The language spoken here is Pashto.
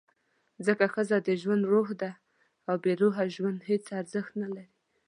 ځکه ښځه د ژوند «روح» ده، او بېروحه ژوند هېڅ ارزښت نه لري.